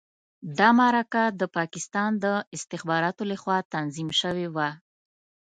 دا مرکه د پاکستان د استخباراتو لخوا تنظیم شوې وه.